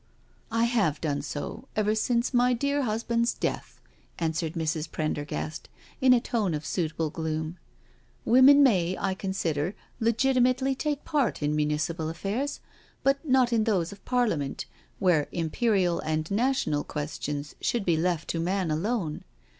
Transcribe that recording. " I have done so ever since my dear husband's death," answered Mrs. Prendergast in a tone of suitable gloom. " Women may, I consider, legitimately take part in municipal affairs, but not in those of Parlia ment, where Imperial and national questions should be left to man alone.